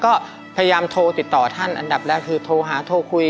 ก็พยายามโทรติดต่อท่านอันดับแรกคือโทรหาโทรคุย